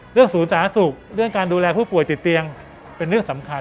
เรื่องศูนย์สถานศึกเรื่องการดูแลผู้ป่วยติดเตียงเป็นเรื่องสำคัญ